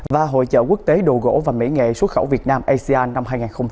và hội trợ quốc tế đồ gỗ và mỹ nghệ xuất khẩu việt nam asean năm hai nghìn hai mươi